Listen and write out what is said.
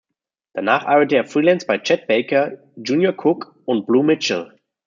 Danach arbeitete er "freelance" bei Chet Baker, Junior Cook und Blue Mitchell.